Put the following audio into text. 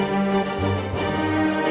kau gak sudah tahu